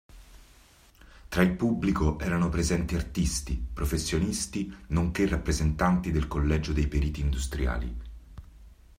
Tra il pubblico erano presenti artisti, professionisti, nonché rappresentati del Collegio dei Periti Industriali.